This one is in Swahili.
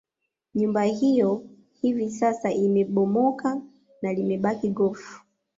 Nyumba hiyo hivi sasa imebomoka na limebaki gofu